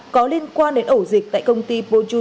có liên quan đến ổ dịch tại công ty